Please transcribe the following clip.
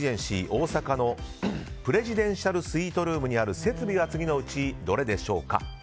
大阪のプレジデンシャルスイートにある設備は次のうちどれでしょうか。